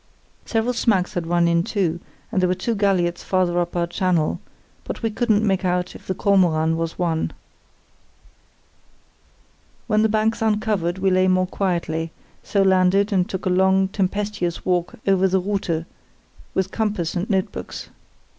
Several smacks had run in too, and there were two galliots farther up our channel, but we couldn't make out if the Kormoran was one. "When the banks uncovered we lay more quietly, so landed and took a long, tempestuous walk over the Rute, with compass and notebooks.